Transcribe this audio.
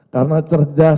karena cerjaan kita